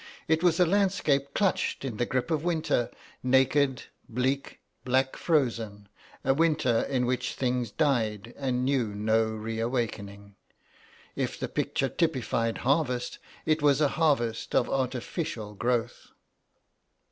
It was a landscape clutched in the grip of winter, naked, bleak, black frozen; a winter in which things died and knew no rewakening. If the picture typified harvest, it was a harvest of artificial growth.